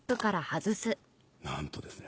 なんとですね